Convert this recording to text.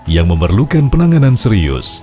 yang memerlukan penanganan serius